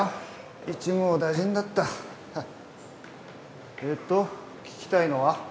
一網打尽だったえっと聞きたいのは？